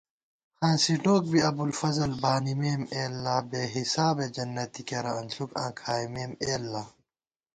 ہانسِی ڈوک بی ابوالفضل بالِمېم اے اللہ * بے حسابے جنتی کېرہ انݪُوک آں کھائیمېم اے اللہ